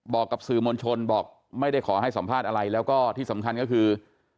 บอกกับสื่อมวลชนบอกไม่ได้ขอให้สัมภาษณ์อะไรแล้วก็ที่สำคัญก็คือ